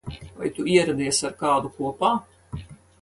Vai tu ieradies ar kādu kopā?